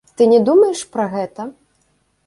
Ты не думаеш пра гэта?